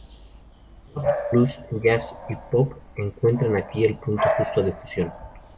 Rock, Blues, Jazz y Pop encuentran aquí el punto justo de fusión.